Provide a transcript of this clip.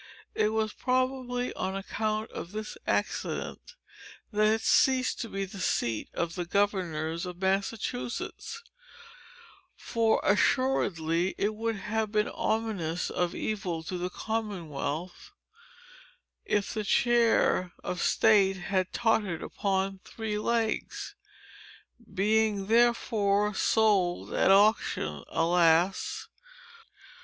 It was probably on account of this accident, that it ceased to be the seat of the governors of Massachusetts; for, assuredly, it would have been ominous of evil to the commonwealth, if the Chair of State had tottered upon three legs. Being therefore sold at auction,—alas!